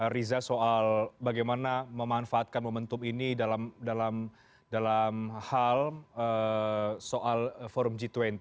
riza soal bagaimana memanfaatkan momentum ini dalam hal soal forum g dua puluh